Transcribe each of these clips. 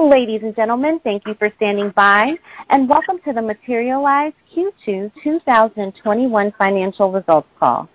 Ladies and gentlemen, thank you for standing by and welcome to the Materialise Q2 2021 Financial Results Call.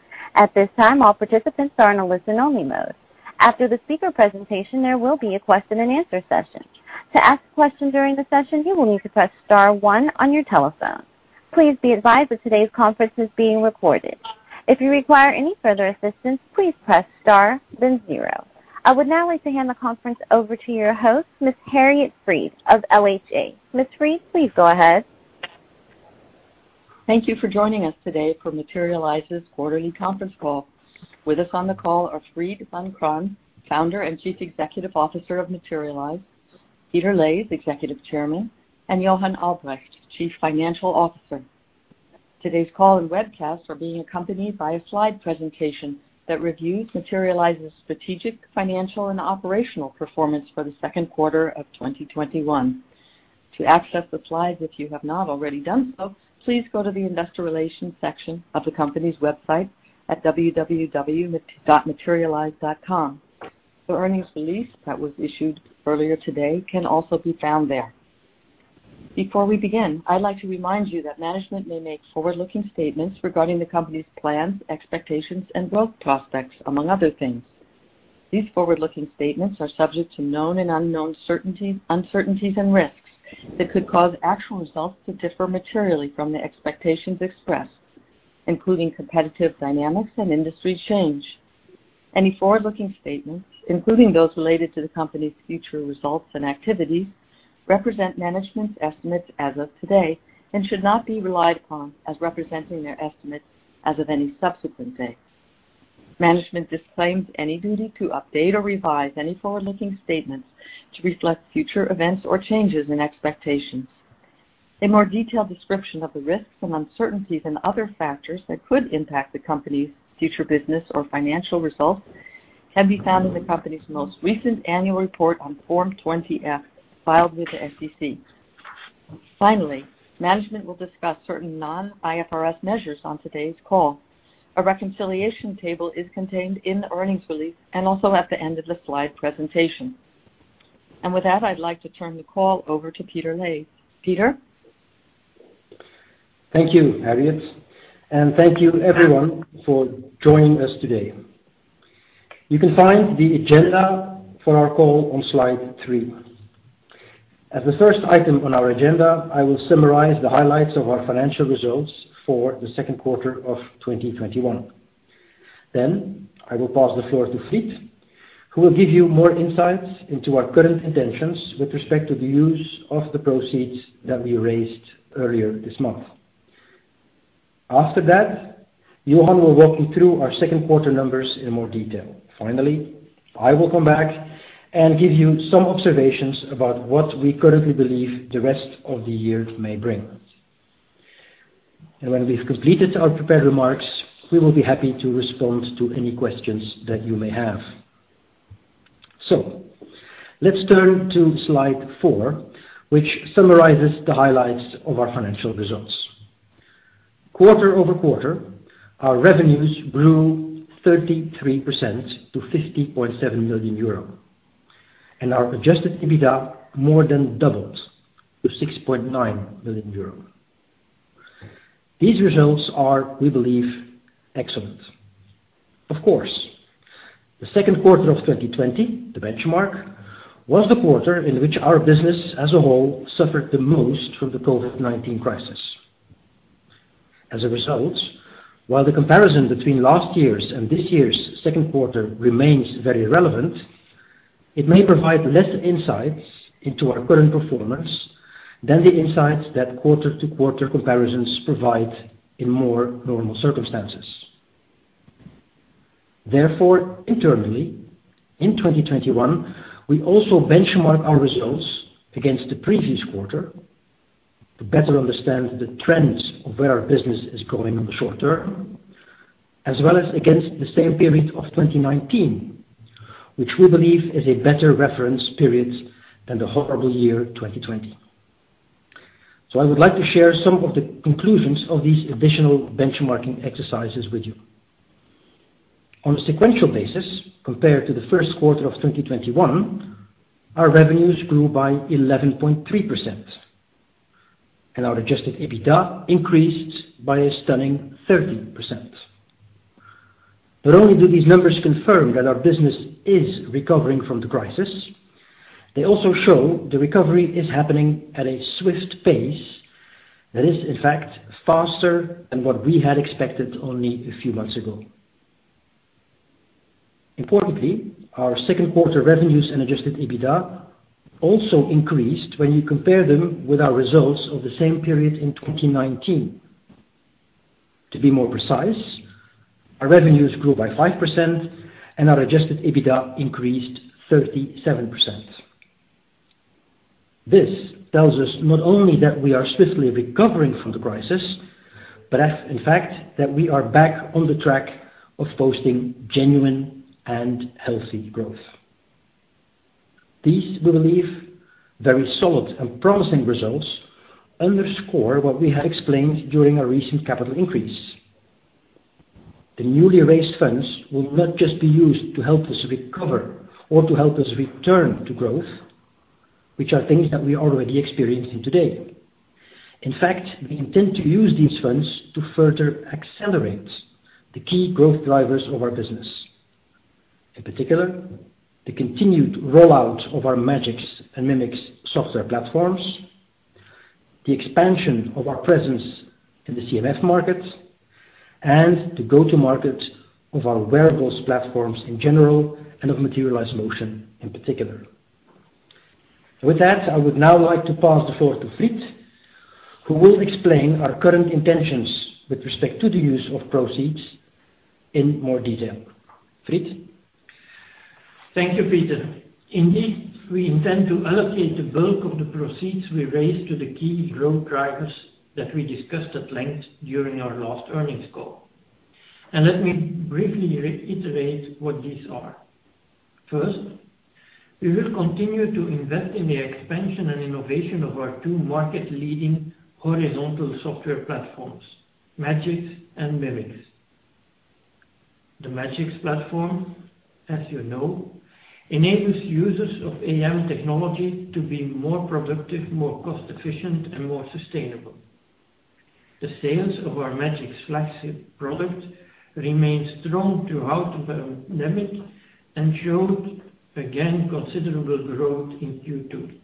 I would now like to hand the conference over to your host, Ms. Harriet Fried of LHA. Ms. Fried, please go ahead. Thank you for joining us today for Materialise's quarterly conference call. With us on the call are Fried Vancraen, Founder and Chief Executive Officer of Materialise, Peter Leys, Executive Chairman, and Johan Albrecht, Chief Financial Officer. Today's call and webcast are being accompanied by a slide presentation that reviews Materialise's strategic, financial, and operational performance for the second quarter of 2021. To access the slides, if you have not already done so, please go to the investor relations section of the company's website at www.materialise.com. The earnings release that was issued earlier today can also be found there. Before we begin, I'd like to remind you that management may make forward-looking statements regarding the company's plans, expectations, and growth prospects, among other things. These forward-looking statements are subject to known and unknown uncertainties and risks that could cause actual results to differ materially from the expectations expressed, including competitive dynamics and industry change. Any forward-looking statements, including those related to the company's future results and activities, represent management's estimates as of today and should not be relied upon as representing their estimates as of any subsequent date. Management disclaims any duty to update or revise any forward-looking statements to reflect future events or changes in expectations. A more detailed description of the risks and uncertainties and other factors that could impact the company's future business or financial results can be found in the company's most recent annual report on Form 20-F filed with the SEC. Management will discuss certain non-IFRS measures on today's call. A reconciliation table is contained in the earnings release and also at the end of the slide presentation. With that, I'd like to turn the call over to Peter Leys. Peter? Thank you, Harriet, and thank you everyone for joining us today. You can find the agenda for our call on slide three. As the first item on our agenda, I will summarize the highlights of our financial results for the second quarter of 2021. I will pass the floor to Fried, who will give you more insights into our current intentions with respect to the use of the proceeds that we raised earlier this month. After that, Johan will walk you through our second quarter numbers in more detail. Finally, I will come back and give you some observations about what we currently believe the rest of the year may bring. When we've completed our prepared remarks, we will be happy to respond to any questions that you may have. Let's turn to slide four, which summarizes the highlights of our financial results. Quarter-over-quarter, our revenues grew 33% to 50.7 million euro, and our adjusted EBITDA more than doubled to 6.9 million euro. These results are, we believe, excellent. Of course, the second quarter of 2020, the benchmark, was the quarter in which our business as a whole suffered the most from the COVID-19 crisis. As a result, while the comparison between last year's and this year's second quarter remains very relevant, it may provide less insights into our current performance than the insights that quarter-to-quarter comparisons provide in more normal circumstances. Therefore, internally in 2021, we also benchmark our results against the previous quarter to better understand the trends of where our business is going on the short term, as well as against the same period of 2019, which we believe is a better reference period than the horrible year 2020. I would like to share some of the conclusions of these additional benchmarking exercises with you. On a sequential basis, compared to Q1 2021, our revenues grew by 11.3%, and our adjusted EBITDA increased by a stunning 30%. Not only do these numbers confirm that our business is recovering from the crisis, they also show the recovery is happening at a swift pace that is, in fact, faster than what we had expected only a few months ago. Importantly, our second quarter revenues and adjusted EBITDA also increased when you compare them with our results of the same period in 2019. To be more precise, our revenues grew by 5% and our adjusted EBITDA increased 37%. This tells us not only that we are swiftly recovering from the crisis, but in fact that we are back on the track of posting genuine and healthy growth. These, we believe, very solid and promising results underscore what we had explained during our recent capital increase. The newly raised funds will not just be used to help us recover or to help us return to growth, which are things that we are already experiencing today. In fact, we intend to use these funds to further accelerate the key growth drivers of our business. In particular, the continued rollout of our Magics and Mimics software platforms, the expansion of our presence in the CMF market, and the go-to-market of our wearables platforms in general, and of Materialise Motion in particular. With that, I would now like to pass the floor to Fried, who will explain our current intentions with respect to the use of proceeds in more detail. Fried? Thank you, Peter. Indeed, we intend to allocate the bulk of the proceeds we raised to the key growth drivers that we discussed at length during our last earnings call. Let me briefly reiterate what these are. First, we will continue to invest in the expansion and innovation of our two market-leading horizontal software platforms, Magics and Mimics. The Magics platform, as you know, enables users of AM technology to be more productive, more cost-efficient, and more sustainable. The sales of our Magics flagship product remained strong throughout the pandemic and showed again considerable growth in Q2.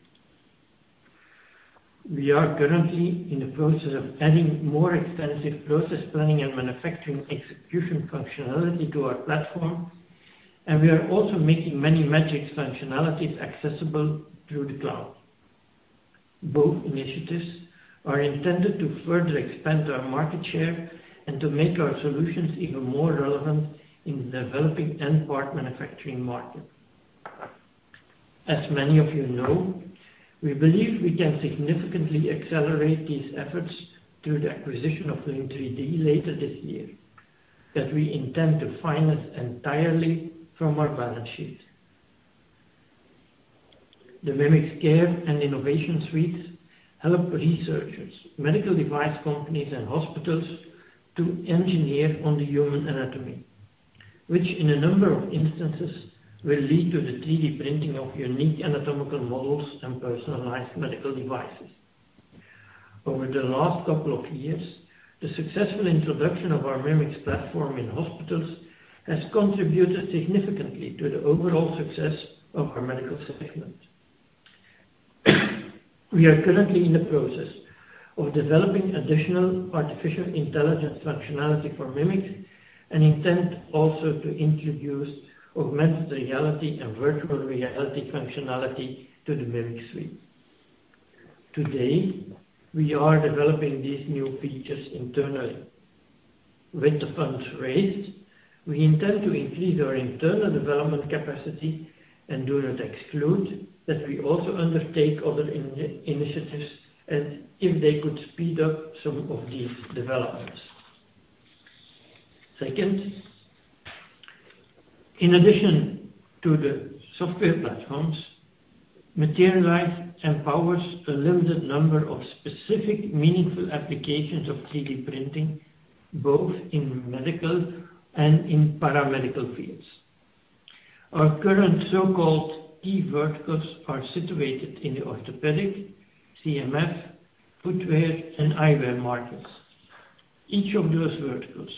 We are currently in the process of adding more extensive process planning and manufacturing execution functionality to our platform, and we are also making many Magics functionalities accessible through the cloud. Both initiatives are intended to further expand our market share and to make our solutions even more relevant in the developing end part manufacturing market. As many of you know, we believe we can significantly accelerate these efforts through the acquisition of the Link3D later this year, that we intend to finance entirely from our balance sheet. The Mimics Care and Innovation Suites help researchers, medical device companies, and hospitals to engineer on the human anatomy, which in a number of instances, will lead to the 3D printing of unique anatomical models and personalized medical devices. Over the last couple of years, the successful introduction of our Mimics platform in hospitals has contributed significantly to the overall success of our Medical segment. We are currently in the process of developing additional artificial intelligence functionality for Mimics and intend also to introduce augmented reality and virtual reality functionality to the Mimics Suite. Today, we are developing these new features internally. With the funds raised, we intend to increase our internal development capacity and do not exclude that we also undertake other initiatives and if they could speed up some of these developments. Second, in addition to the software platforms, Materialise empowers a limited number of specific, meaningful applications of 3D printing, both in medical and in paramedical fields. Our current so-called key verticals are situated in the orthopedic, CMF, footwear, and eyewear markets. Each of those verticals,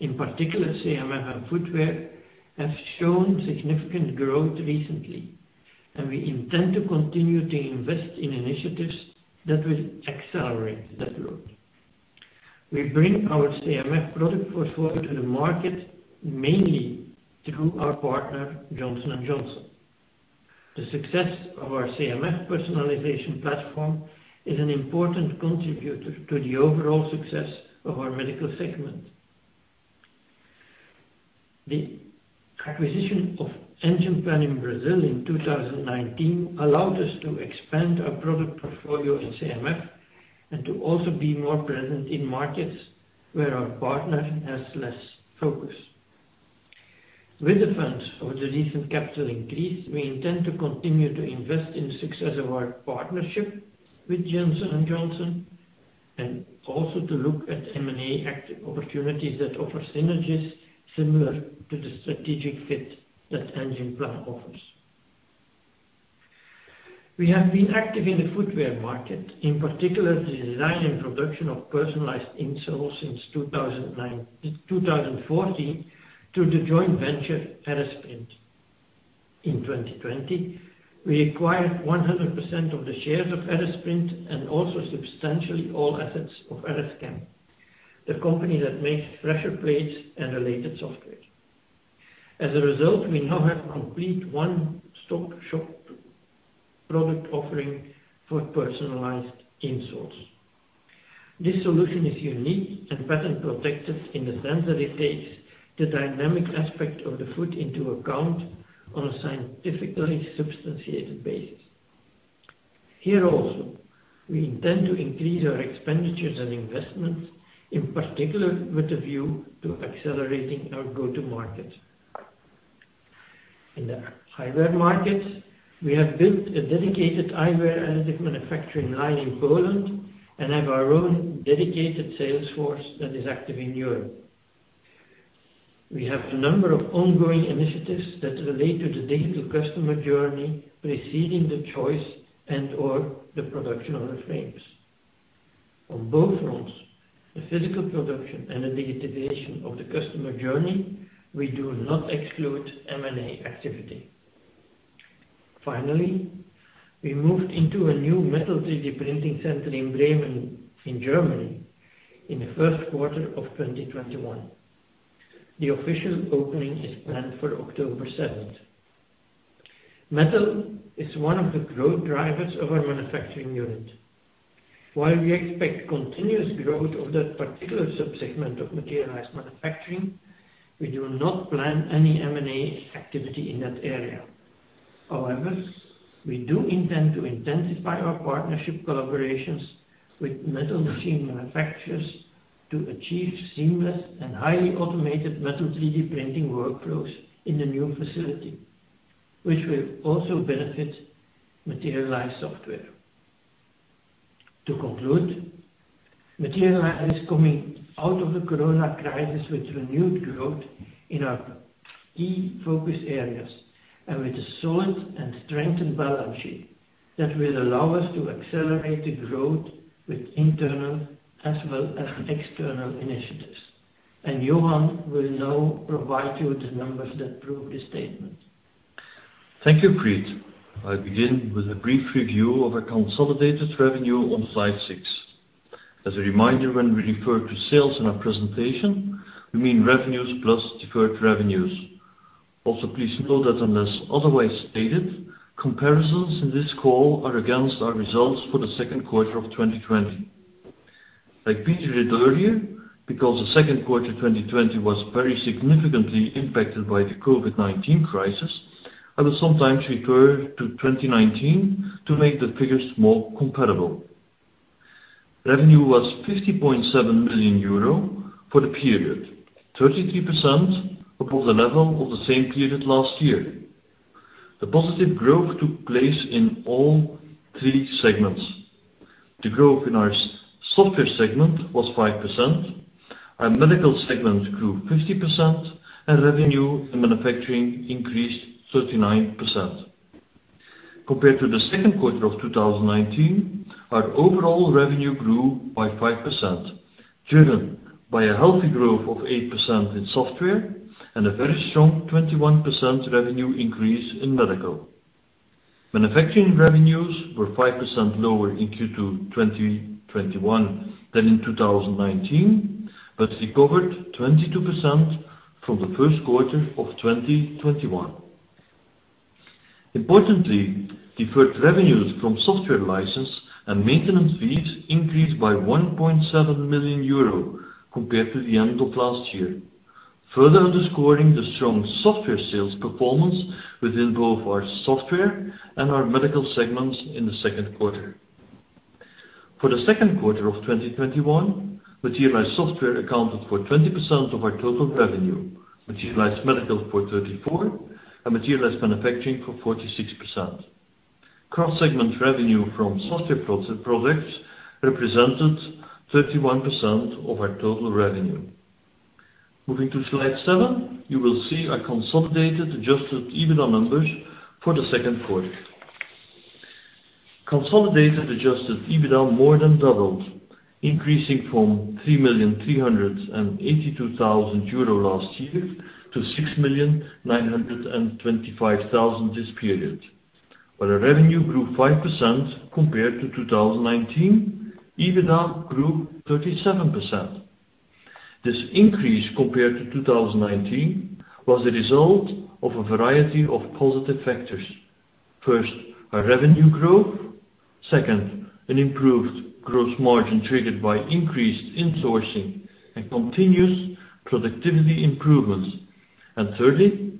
in particular CMF and footwear, have shown significant growth recently, and we intend to continue to invest in initiatives that will accelerate that growth. We bring our CMF product portfolio to the market mainly through our partner, Johnson & Johnson. The success of our CMF personalization platform is an important contributor to the overall success of our Medical segment. The acquisition of Engimplan in Brazil in 2019 allowed us to expand our product portfolio in CMF and to also be more present in markets where our partner has less focus. With the funds of the recent capital increase, we intend to continue to invest in success of our partnership with Johnson & Johnson and also to look at M&A active opportunities that offer synergies similar to the strategic fit that Engimplan offers. We have been active in the footwear market, in particular the design and production of personalized insoles since 2014 through the joint venture RS Print. In 2020, we acquired 100% of the shares of RS Print and also substantially all assets of RSscan, the company that makes pressure plates and related software. As a result, we now have complete one-stop shop product offering for personalized insoles. This solution is unique and patent protected in the sense that it takes the dynamic aspect of the foot into account on a scientifically substantiated basis. Here also, we intend to increase our expenditures and investments, in particular with a view to accelerating our go-to-market. In the eyewear market, we have built a dedicated eyewear additive manufacturing line in Poland and have our own dedicated sales force that is active in Europe. We have a number of ongoing initiatives that relate to the digital customer journey preceding the choice and/or the production of the frames. On both fronts, the physical production and the digitization of the customer journey, we do not exclude M&A activity. We moved into a new Metal 3D printing center in Bremen, in Germany, in the first quarter of 2021. The official opening is planned for October 7th. Metal is one of the growth drivers of our manufacturing unit. While we expect continuous growth of that particular sub-segment of Materialise Manufacturing, we do not plan any M&A activity in that area. However, we do intend to intensify our partnership collaborations with metal machine manufacturers to achieve seamless and highly automated metal 3D printing workflows in the new facility, which will also benefit Materialise Software. To conclude, Materialise is coming out of the Corona crisis with renewed growth in our key focus areas and with a solid and strengthened balance sheet that will allow us to accelerate the growth with internal as well as external initiatives. Johan will now provide you with the numbers that prove this statement. Thank you, Fried. I begin with a brief review of our consolidated revenue on slide six. As a reminder, when we refer to sales in our presentation, we mean revenues plus deferred revenues. Please note that unless otherwise stated, comparisons in this call are against our results for the second quarter of 2020. Like Fried did earlier, because the second quarter 2020 was very significantly impacted by the COVID-19 crisis, I will sometimes refer to 2019 to make the figures more comparable. Revenue was 50.7 million euro for the period, 33% above the level of the same period last year. The positive growth took place in all three segments. The growth in our Materialise Software segment was 5%, our Medical segment grew 50%, and revenue in Manufacturing increased 39%. Compared to the second quarter of 2019, our overall revenue grew by 5%, driven by a healthy growth of 8% in Software and a very strong 21% revenue increase in Medical. Manufacturing revenues were 5% lower in Q2 2021 than in 2019, but recovered 22% from the first quarter of 2021. Importantly, deferred revenues from software license and maintenance fees increased by 1.7 million euro compared to the end of last year, further underscoring the strong Software sales performance within both our Software and our Medical segments in the second quarter. For the second quarter of 2021, Materialise Software accounted for 20% of our total revenue. Materialise Medical for 34%, and Materialise Manufacturing for 46%. Cross-segment revenue from software products represented 31% of our total revenue. Moving to slide seven, you will see our consolidated adjusted EBITDA numbers for the second quarter. Consolidated adjusted EBITDA more than doubled, increasing from 3,382,000 euro last year to 6,925,000 this period. While the revenue grew 5% compared to 2019, EBITDA grew 37%. This increase compared to 2019 was a result of a variety of positive factors. First, our revenue growth. Second, an improved gross margin triggered by increased insourcing and continuous productivity improvements. Thirdly,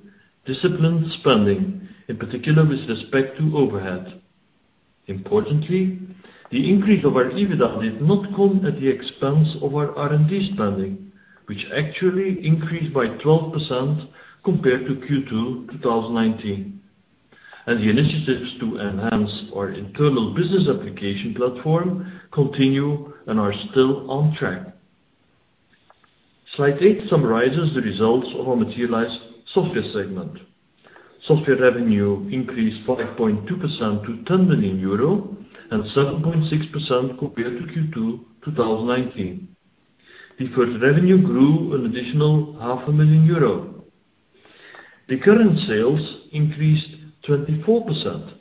disciplined spending, in particular with respect to overhead. Importantly, the increase of our EBITDA did not come at the expense of our R&D spending, which actually increased by 12% compared to Q2 2019. The initiatives to enhance our internal business application platform continue and are still on track. Slide eight summarizes the results of our Materialise Software segment. Software revenue increased 5.2% to 10 million euro and 7.6% compared to Q2 2019. Deferred revenue grew an additional 500,000 euro. Recurrent sales increased 24%,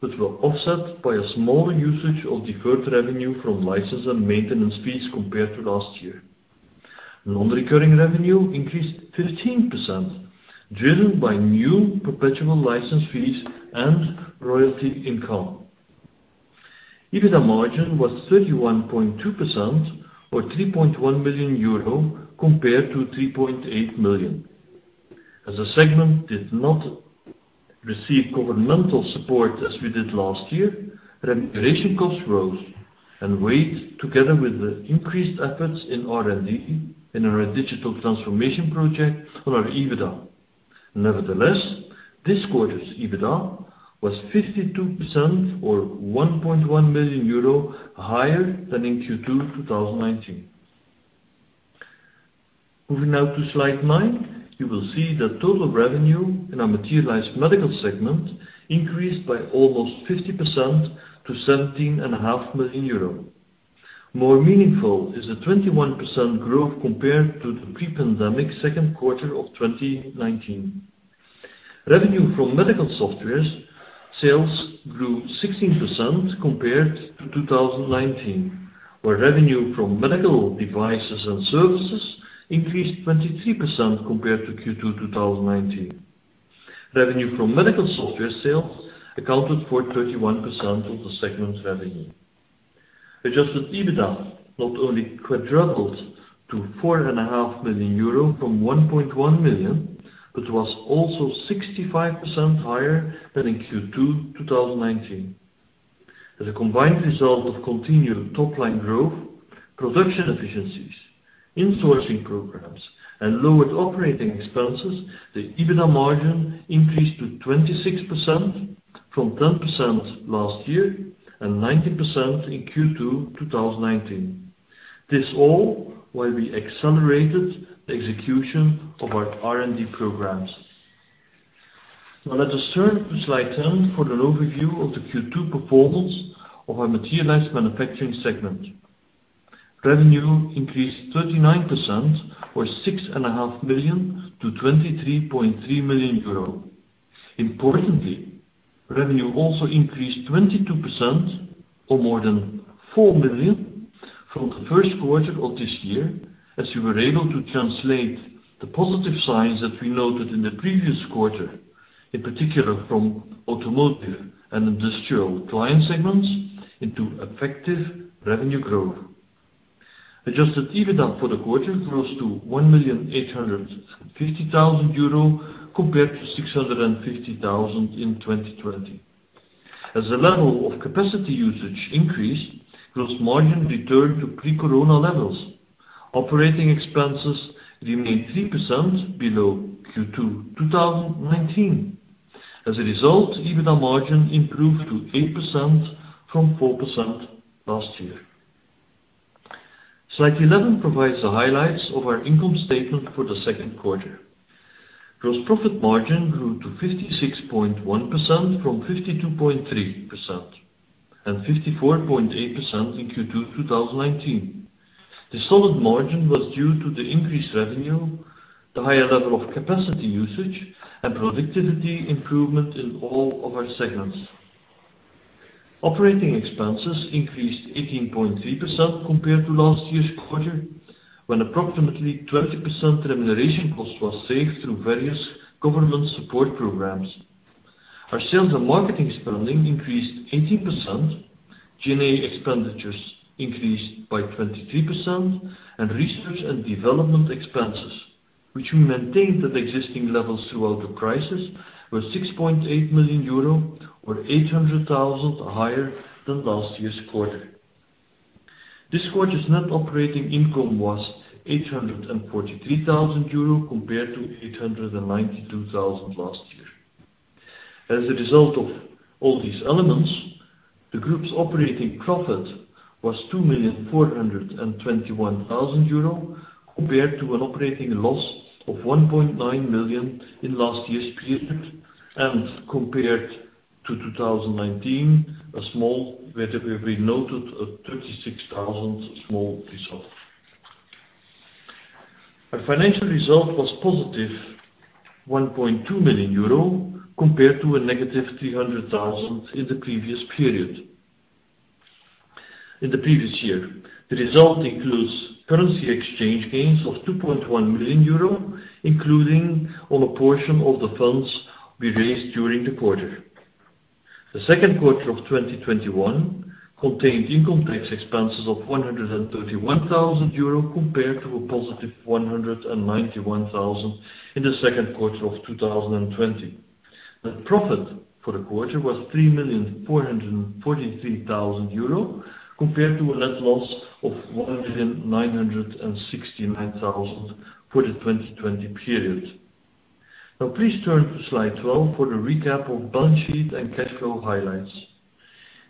but were offset by a smaller usage of deferred revenue from license and maintenance fees compared to last year. Non-recurring revenue increased 15%, driven by new perpetual license fees and royalty income. EBITDA margin was 31.2% or 3.1 million euro compared to 3.8 million. As the segment did not receive governmental support as we did last year, remuneration costs rose. Weighed together with the increased efforts in R&D and our digital transformation project on our EBITDA. Nevertheless, this quarter's EBITDA was 52% or 1.1 million euro higher than in Q2 2019. Moving now to slide nine, you will see that total revenue in our Materialise Medical segment increased by almost 50% to 17.5 million euro. More meaningful is a 21% growth compared to the pre-pandemic second quarter of 2019. Revenue from medical software sales grew 16% compared to 2019, where revenue from medical devices and services increased 23% compared to Q2 2019. Revenue from medical software sales accounted for 31% of the segment revenue. Adjusted EBITDA not only quadrupled to 4.5 million euro from 1.1 million, but was also 65% higher than in Q2 2019. As a combined result of continued top-line growth, production efficiencies, insourcing programs, and lowered operating expenses, the EBITDA margin increased to 26% from 10% last year and 19% in Q2 2019. This all while we accelerated the execution of our R&D programs. Now let us turn to slide 10 for an overview of the Q2 performance of our Materialise Manufacturing segment. Revenue increased 39% or 6.5 million to 23.3 million euro. Importantly, revenue also increased 22% or more than 4 million from the first quarter of this year, as we were able to translate the positive signs that we noted in the previous quarter, in particular from automotive and industrial client segments, into effective revenue growth. Adjusted EBITDA for the quarter rose to 1,850,000 euro compared to 650,000 in 2020. As the level of capacity usage increased, gross margin returned to pre-corona levels. Operating expenses remained 3% below Q2 2019. As a result, EBITDA margin improved to 8% from 4% last year. Slide 11 provides the highlights of our income statement for the second quarter. Gross profit margin grew to 56.1% from 52.3% and 54.8% in Q2 2019. This solid margin was due to the increased revenue, the higher level of capacity usage, and productivity improvement in all of our segments. Operating expenses increased 18.3% compared to last year's quarter, when approximately 20% remuneration cost was saved through various government support programs. Sales and marketing spending increased 18%, G&A expenditures increased by 23%, research and development expenses, which we maintained at existing levels throughout the crisis, were 6.8 million euro or 800,000 higher than last year's quarter. This quarter's net operating income was 843,000 euro compared to 892,000 last year. As a result of all these elements, the group's operating profit was 2,421,000 euro compared to an operating loss of 1.9 million in last year's period and compared to 2019, where we noted a 36,000 a small result. Our financial result was +1.2 million euro compared to a -300,000 in the previous year. The result includes currency exchange gains of 2.1 million euro, including on a portion of the funds we raised during the quarter. The second quarter of 2021 contained income tax expenses of 131,000 euro compared to a +191,000 in the second quarter of 2020. Net profit for the quarter was 3,443,000 euro compared to a net loss of 1,969,000 for the 2020 period. Now please turn to slide 12 for the recap of balance sheet and cash flow highlights.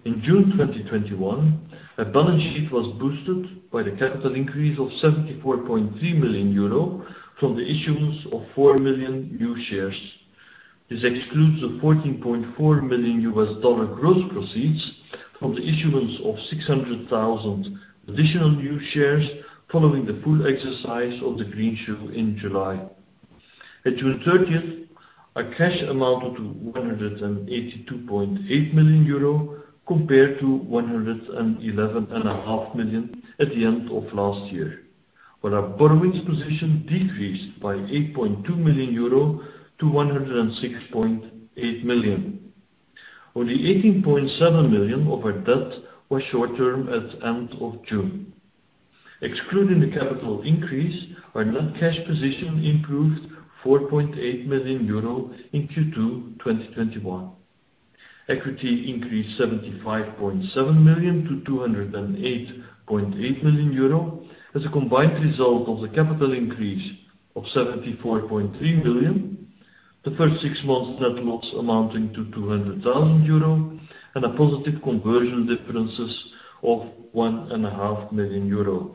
In June 2021, our balance sheet was boosted by the capital increase of 74.3 million euro from the issuance of 4 million new shares. This excludes the $14.4 million gross proceeds from the issuance of 600,000 additional new shares following the full exercise of the greenshoe in July. At June 30th, our cash amounted to 182.8 million euro compared to 111.5 million at the end of last year, where our borrowings position decreased by 8.2 million euro to 106.8 million. Only 18.7 million of our debt was short-term at the end of June. Excluding the capital increase, our net cash position improved 4.8 million euro in Q2 2021. Equity increased 75.7 million to 208.8 million euro as a combined result of the capital increase of 74.3 million. The first six months net loss amounting to 200,000 euro, and a positive conversion differences of 1.5 million euro.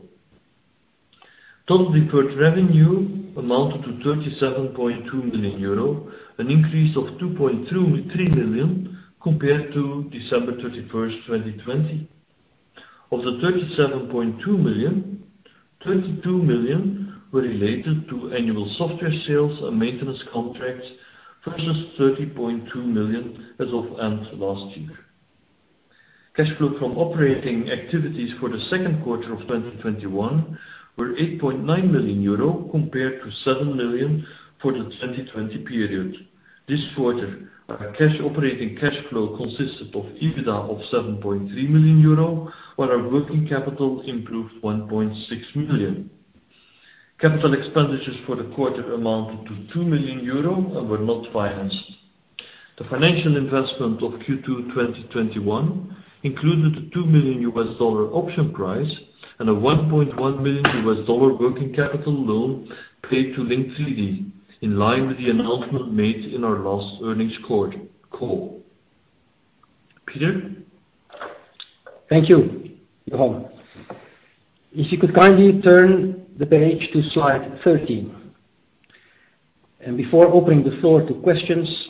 Total deferred revenue amounted to 37.2 million euro, an increase of 2.3 million compared to December 31st, 2020. Of the 37.2 million, 32 million were related to annual software sales and maintenance contracts versus 30.2 million as of end last year. Cash flow from operating activities for the second quarter of 2021 were 8.9 million euro compared to 7 million for the 2020 period. This quarter, our operating cash flow consisted of EBITDA of 7.3 million euro, while our working capital improved 1.6 million. Capital expenditures for the quarter amounted to 2 million euro and were not financed. The financial investment of Q2 2021 included a $2 million option price and a $1.1 million working capital loan paid to Link3D, in line with the announcement made in our last earnings call. Peter? Thank you, Johan. If you could kindly turn the page to slide 13. Before opening the floor to questions,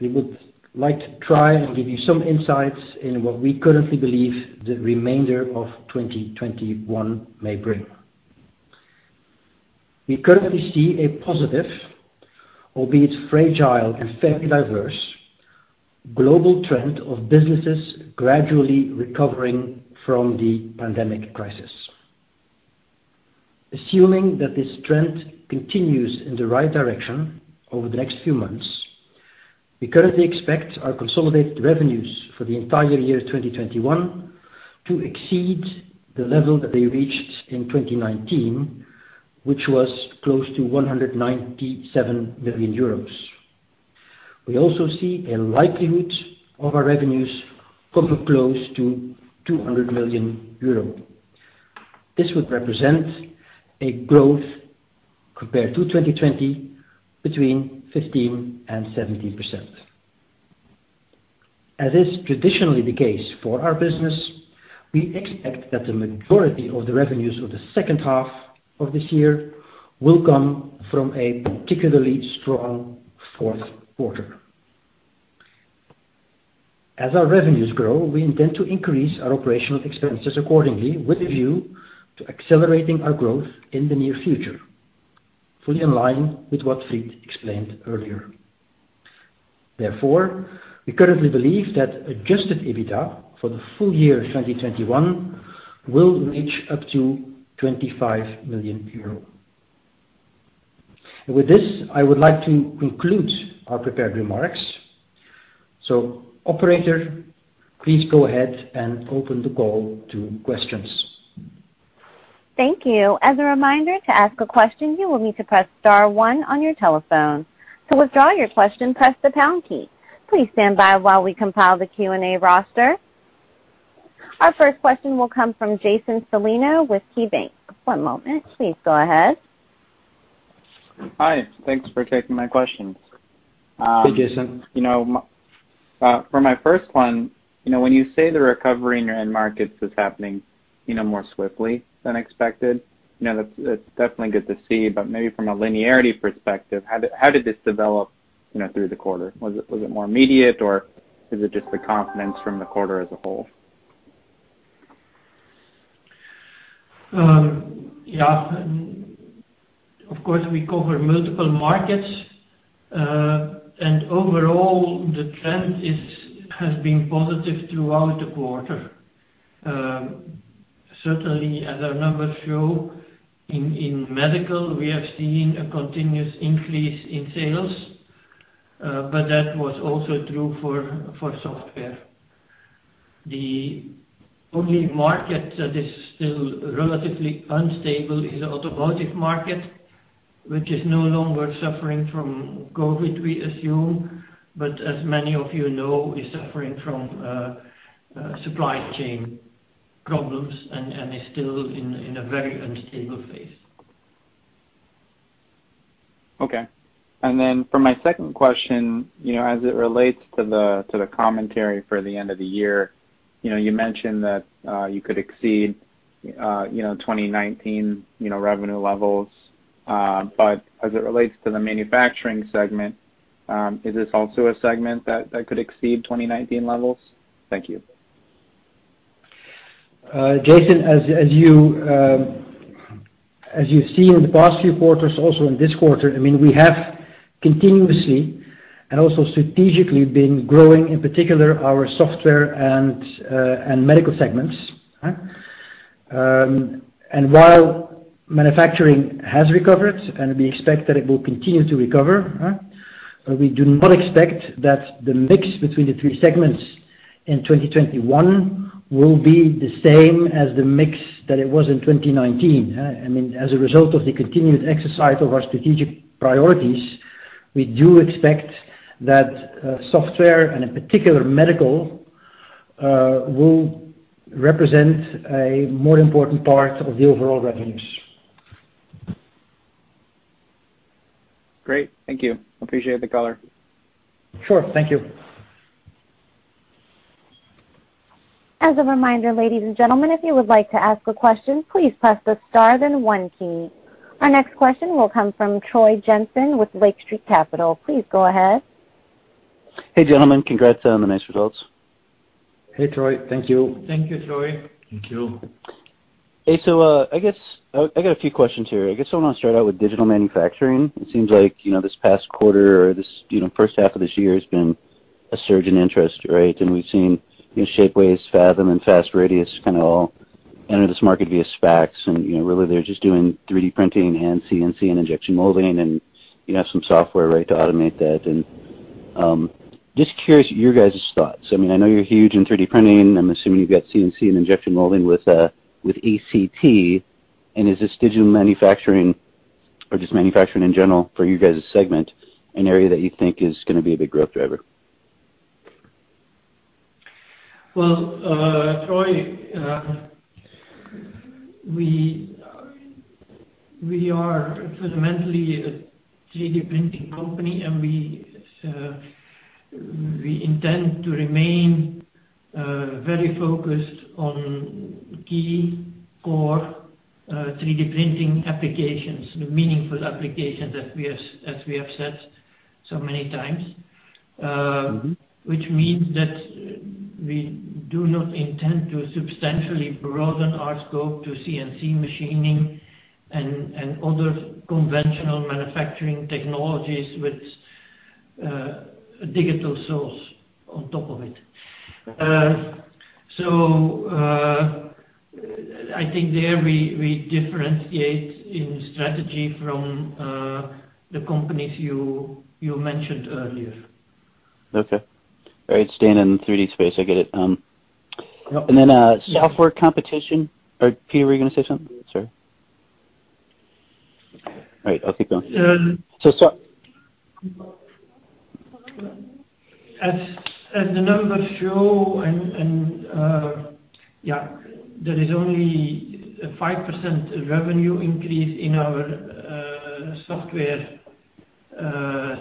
we would like to try and give you some insights in what we currently believe the remainder of 2021 may bring. We currently see a positive, albeit fragile and fairly diverse, global trend of businesses gradually recovering from the pandemic crisis. Assuming that this trend continues in the right direction over the next few months, we currently expect our consolidated revenues for the entire year 2021 to exceed the level that they reached in 2019, which was close to 197 million euros. We also see a likelihood of our revenues coming close to 200 million euro. This would represent a growth compared to 2020 between 15% and 17%. As is traditionally the case for our business, we expect that the majority of the revenues of the second half of this year will come from a particularly strong fourth quarter. As our revenues grow, we intend to increase our operational expenses accordingly with a view to accelerating our growth in the near future, fully in line with what Fried explained earlier. Therefore, we currently believe that adjusted EBITDA for the full year 2021 will reach up to 25 million euro. With this, I would like to conclude our prepared remarks. Operator, please go ahead and open the call to questions. Thank you. As a reminder, to ask a question, you will need to press star one on your telephone. To withdraw your question, press the pound key. Please stand by while we compile the Q&A roster. Our first question will come from Jason Celino with KeyBanc. One moment, please go ahead. Hi. Thanks for taking my questions. Hey, Jason. For my first one, when you say the recovery in your end markets is happening more swiftly than expected, that is definitely good to see, but maybe from a linearity perspective, how did this develop through the quarter? Was it more immediate, or is it just the confidence from the quarter as a whole? Yeah. Of course, we cover multiple markets, and overall, the trend has been positive throughout the quarter. Certainly, as our numbers show, in Medical, we have seen a continuous increase in sales, but that was also true for Software. The only market that is still relatively unstable is the automotive market, which is no longer suffering from COVID, we assume, but as many of you know, is suffering from supply chain problems and is still in a very unstable phase. Okay. For my second question, as it relates to the commentary for the end of the year, you mentioned that you could exceed 2019 revenue levels. As it relates to the Manufacturing segment, is this also a segment that could exceed 2019 levels? Thank you. Jason, as you've seen in the past few quarters, also in this quarter, we have continuously and also strategically been growing, in particular, our Software and Medical segments. While Manufacturing has recovered, and we expect that it will continue to recover, we do not expect that the mix between the three segments in 2021 will be the same as the mix that it was in 2019. As a result of the continued exercise of our strategic priorities, we do expect that Software, and in particular, Medical, will represent a more important part of the overall revenues. Great. Thank you. Appreciate the color. Sure. Thank you. As a reminder, ladies and gentlemen, if you would like to ask a question, please press the star, then one key. Our next question will come from Troy Jensen with Lake Street Capital. Please go ahead. Hey, gentlemen. Congrats on the nice results. Hey, Troy. Thank you. Thank you, Troy. Thank you. I got a few questions here. I guess I want to start out with digital manufacturing. It seems like, this past quarter or this first half of this year has been a surge in interest, right? We've seen Shapeways, Fathom, and Fast Radius kind of all enter this market via SPACs, and really, they're just doing 3D printing and CNC and injection molding, and you have some software, right, to automate that. Just curious, your guys' thoughts. I know you're huge in 3D printing. I'm assuming you've got CNC and injection molding with ACTech. Is this digital manufacturing or just manufacturing in general for you guys' segment, an area that you think is going to be a big growth driver? Well, Troy, we are fundamentally a 3D printing company, we intend to remain very focused on key core 3D printing applications, the meaningful applications as we have said so many times. Which means that we do not intend to substantially broaden our scope to CNC machining and other conventional manufacturing technologies with a digital source on top of it. I think there we differentiate in strategy from the companies you mentioned earlier. Okay. All right. Staying in 3D space. I get it. Yeah. Software competition or Peter, were you going to say something? Sorry. All right, I'll keep going. As the numbers show, Yeah, there is only a 5% revenue increase in our Software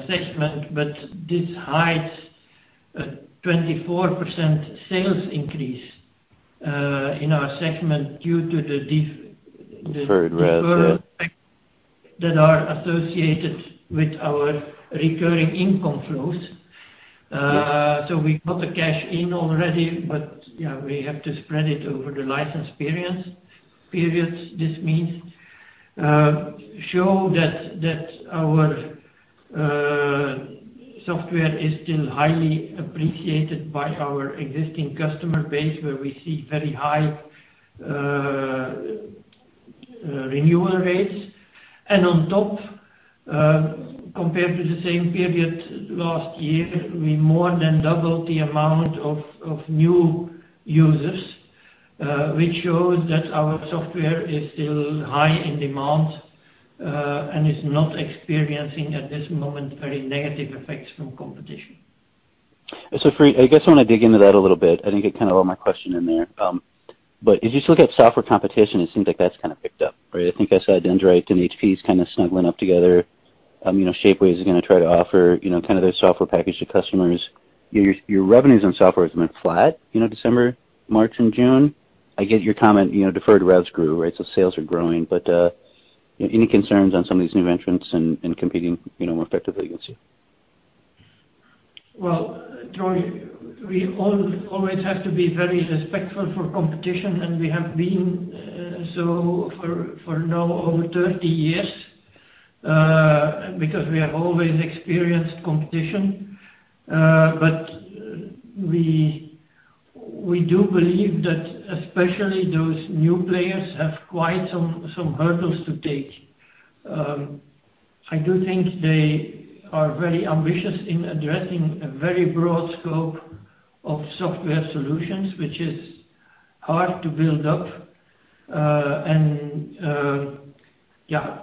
segment. This hides a 24% sales increase in our segment, deferred effects that are associated with our recurring income flows. We got the cash in already, but yeah, we have to spread it over the license periods. This means, show that our software is still highly appreciated by our existing customer base, where we see very high renewal rates. On top, compared to the same period last year, we more than doubled the amount of new users, which shows that our software is still high in demand, and is not experiencing, at this moment, very negative effects from competition. And so Fried I guess I want to dig into that a little bit. I think it kind of all my question in there. As you look at software competition, it seems like that's kind of picked up, right? I think I saw Dyndrite and HP's kind of snuggling up together. Shapeways is going to try to offer their software package to customers. Your revenues on software has been flat, December, March, and June. I get your comment, deferred revs grew, right? Sales are growing, but any concerns on some of these new entrants and competing, more effectively against you? Well, Troy, we always have to be very respectful for competition, and we have been so for now over 30 years, because we have always experienced competition. We do believe that especially those new players have quite some hurdles to take. I do think they are very ambitious in addressing a very broad scope of software solutions, which is hard to build up. Yeah.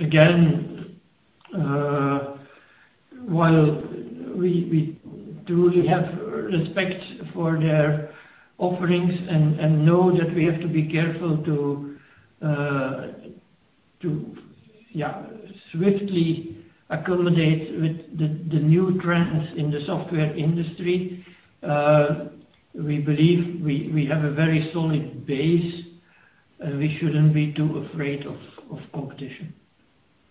Again, while we truly have respect for their offerings and know that we have to be careful to swiftly accommodate with the new trends in the software industry. We believe we have a very solid base, and we shouldn't be too afraid of competition.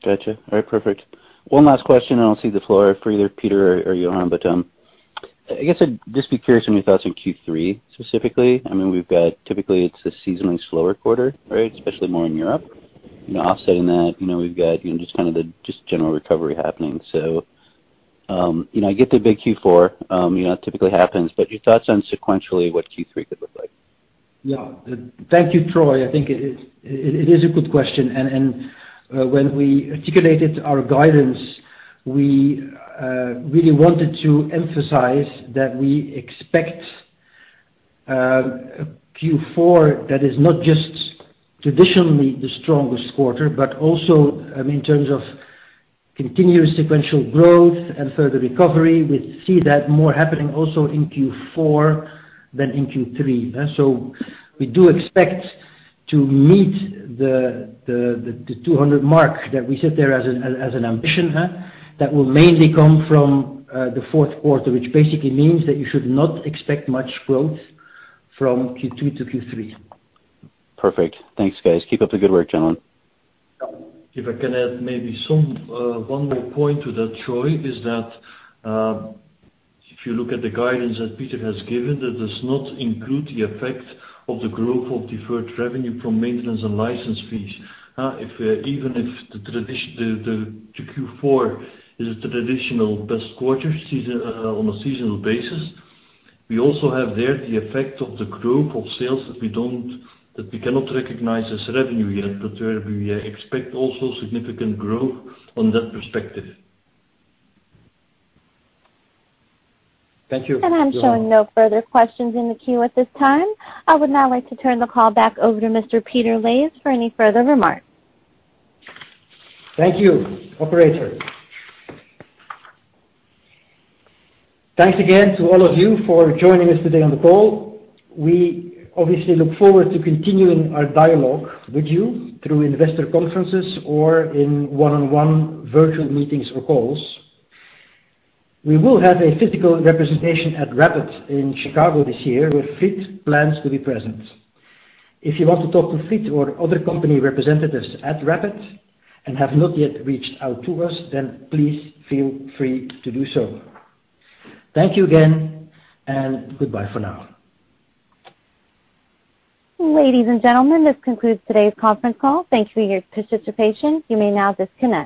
Got you. All right, perfect. One last question, and I'll cede the floor for either Peter or Johan. I guess I'd just be curious on your thoughts on Q3 specifically. Typically it's a seasonally slower quarter, right? Especially more in Europe. Offsetting that, just the general recovery happening. I get the big Q4, it typically happens. Your thoughts on sequentially what Q3 could look like? Thank you, Troy. I think it is a good question. When we articulated our guidance, we really wanted to emphasize that we expect Q4 that is not just traditionally the strongest quarter, but also in terms of continuous sequential growth and further recovery. We see that more happening also in Q4 than in Q3. We do expect to meet the 200 mark that we set there as an ambition. That will mainly come from the fourth quarter, which basically means that you should not expect much growth from Q2 to Q3. Perfect. Thanks, guys. Keep up the good work, gentlemen. If I can add maybe one more point to that, Troy, is that if you look at the guidance that Peter has given, that does not include the effect of the growth of deferred revenue from maintenance and license fees. Even if Q4 is a traditional best quarter on a seasonal basis, we also have there the effect of the growth of sales that we cannot recognize as revenue yet, but where we expect also significant growth from that perspective. Thank you. I'm showing no further questions in the queue at this time. I would now like to turn the call back over to Mr. Peter Leys for any further remarks. Thank you, operator. Thanks again to all of you for joining us today on the call. We obviously look forward to continuing our dialogue with you through investor conferences or in one-on-one virtual meetings or calls. We will have a physical representation at RAPID in Chicago this year, where Fried plans to be present. If you want to talk to Fried or other company representatives at RAPID and have not yet reached out to us, then please feel free to do so. Thank you again, and goodbye for now. Ladies and gentlemen, this concludes today's conference call. Thank you for your participation. You may now disconnect.